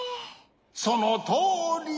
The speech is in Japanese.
そのとおり！